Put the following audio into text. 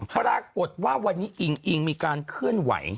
ปรากฏว่าวันนี้อิงอิงมีการเคลื่อนไหว